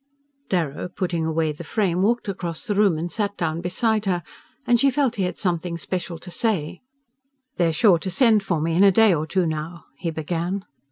Darrow, putting away the frame, walked across the room and sat down beside her; and she felt he had something special to say. "They're sure to send for me in a day or two now," he began.